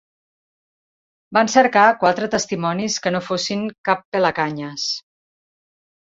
Van cercar quatre testimonis que no fossin cap pelacanyes